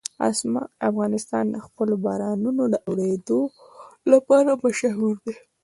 افغانستان د خپلو بارانونو د اورېدو لپاره مشهور دی.